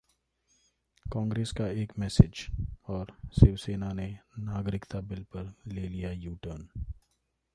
कांग्रेस का एक मैसेज...और शिवसेना ने नागरिकता बिल पर ले लिया यू-टर्न